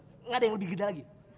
tidak ada yang lebih gede lagi